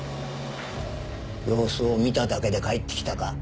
様子を見ただけで帰ってきたか？